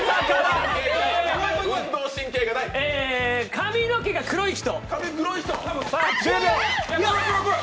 髪の毛が黒い人。